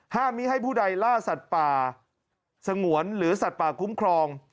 มิให้ผู้ใดล่าสัตว์ป่าสงวนหรือสัตว์ป่าคุ้มครอง